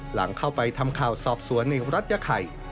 หลังเข้าไปทำข่าวสอบสวนในรัฐยาไข่